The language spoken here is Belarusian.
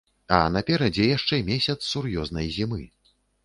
А наперадзе яшчэ месяц сур'ёзнай зімы.